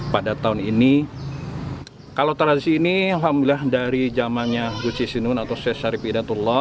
pada tahun ini kalau tradisi ini alhamdulillah dari zamannya gusisunun atau s s i d